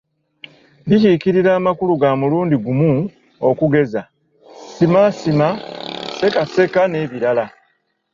Bikiikirira amakulu ga mulundi gumu okugeza; simaasima, sekaaseka n’ebirala.